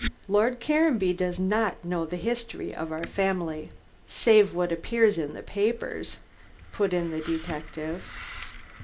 "Lord Caranby does not know the history of our family." "Save what appeared in the papers," put in the detective.